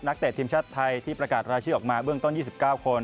เตะทีมชาติไทยที่ประกาศรายชื่อออกมาเบื้องต้น๒๙คน